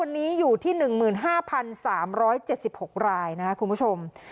วันนี้อยู่ที่๑๕๓๗๖รายนะครับคุณผู้ชม